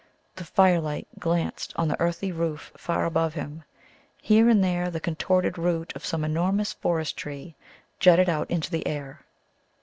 The firelight glanced on the earthy roof far above him. Here and there the contorted root of some enormous forest tree jutted out into the air.